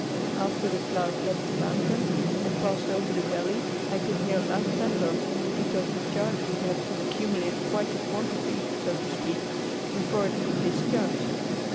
After the cloud left the mountain and passed over the valley I could hear loud thunder, because the charge would have to accumulate quite a quantity, so to speak, before it could discharge.